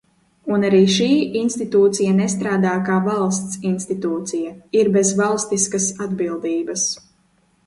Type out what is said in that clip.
Un arī šī institūcija nestrādā kā valsts institūcija, ir bez valstiskas atbildības.